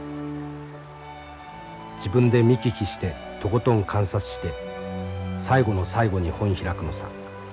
自分で見聞きしてとことん観察して最後の最後に本開くのさ。